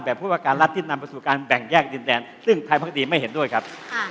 ผู้ว่าการรัฐที่นำไปสู่การแบ่งแยกดินแดนซึ่งไทยพักดีไม่เห็นด้วยครับ